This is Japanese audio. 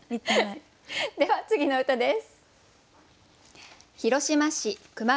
では次の歌です。